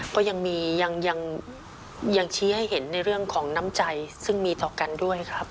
ก็ยังมียังชี้ให้เห็นในเรื่องของน้ำใจซึ่งมีต่อกันด้วยครับ